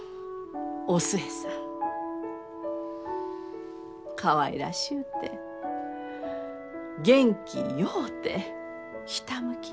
お寿恵さんかわいらしゅうて元気ようてひたむきで。